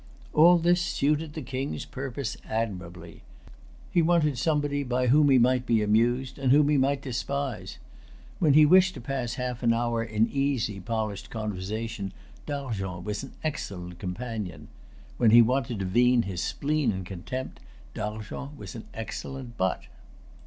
All this suited the King's purpose admirably. He wanted somebody by whom he might be amused, and whom he might despise. When he wished to pass half an hour in easy polished conversation, D'Argens was an excellent companion; when he wanted to vent his spleen and contempt, D'Argens was an excellent butt.